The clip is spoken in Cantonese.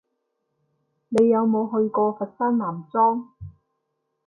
你有冇去過佛山南莊？